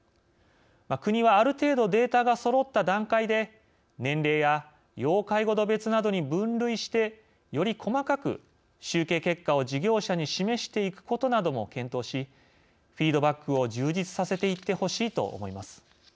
国は、ある程度データがそろった段階で年齢や要介護度別などに分類してより細かく、集計結果を事業者に示していくことなども検討しフィードバックを充実させていってほしいと思います。